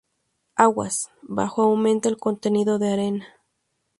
Aguas abajo aumenta el contenido de arena.